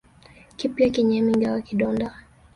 Kipya kinyemi ingawa kidonda